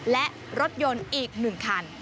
และรถยนต์อีก๑คัน